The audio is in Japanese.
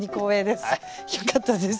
よかったです。